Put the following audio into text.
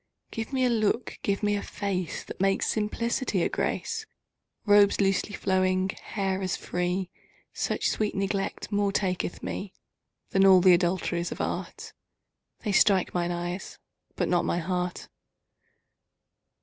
Give me a look, give me a face That makes simplicity a grace; Robes losely flowing, hair as free; Such sweet neglect more taketh me Than all th' adulteries of art. They strike mine eyes but not my heart.